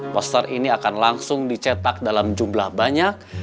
poster ini akan langsung dicetak dalam jumlah banyak